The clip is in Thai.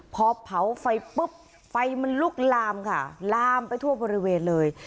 พอเผาไฟปุ๊บไฟมันลุกลามค่ะลามไปทั่วบริเวณเลย